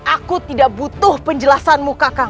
aku tidak butuh penjelasanmu kakang